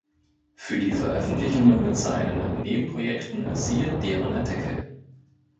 Für die Veröffentlichungen mit seinen Nebenprojekten siehe deren Artikel.